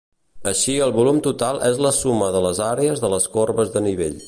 Així el volum total és la suma de les àrees de les corbes de nivell.